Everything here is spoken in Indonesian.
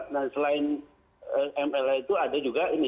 nah selain mla itu ada juga ini